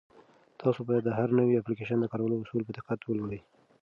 تاسو باید د هر نوي اپلیکیشن د کارولو اصول په دقت ولولئ.